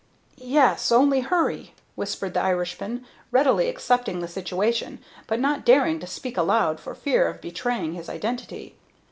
"Yes, only hurry!" whispered the Irishman, readily accepting the situation, but not daring to speak aloud for fear of betraying his identity.